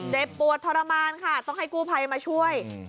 เจ็บปวดทรมานค่ะต้องให้กู้ภัยมาช่วย